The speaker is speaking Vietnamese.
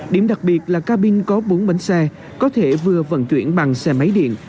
điểm đặc biệt là cabin có bốn bến xe có thể vừa vận chuyển bằng xe máy điện